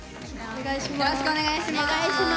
お願いします。